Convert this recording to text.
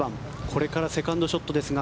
これからセカンドショットですが。